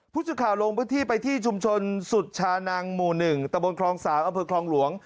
ผู้สื่อข่าวลงพื้นที่ไปที่ชุมชนสุชานังหมู่๑ตะบนคลอง๓อำเภอคลองหลวง